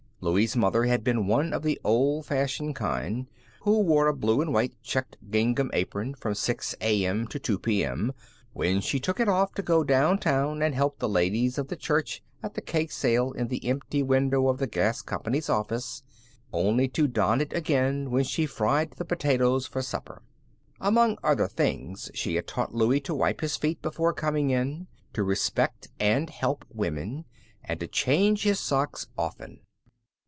Louie's mother had been one of the old fashioned kind who wore a blue and white checked gingham apron from 6 A.M. to 2 P.M., when she took it off to go downtown and help the ladies of the church at the cake sale in the empty window of the gas company's office, only to don it again when she fried the potatoes for supper. Among other things she had taught Louie to wipe his feet before coming in, to respect and help women, and to change his socks often.